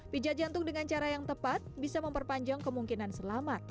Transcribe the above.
pijat jantung dengan cara yang tepat bisa memperpanjang kemungkinan selamat